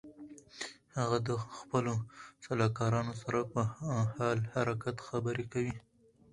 هغه د خپلو سلاکارانو سره په حال حرکت خبرې کوي.